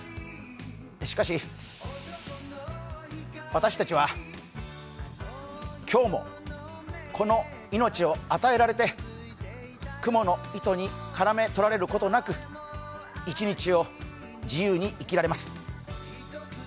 しかし、私たちは今日もこの命を与えられてくもの糸にからめ捕られることなく一日を自由に生きられます。